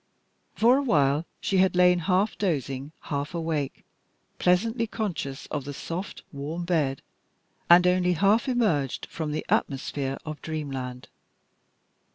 For a while she had lain, half dozing, half awake, pleasantly conscious of the soft, warm bed, and only half emerged from the atmosphere of dreamland.